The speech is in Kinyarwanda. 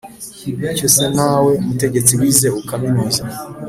cyo se na we mutegetsi wize ukaminuza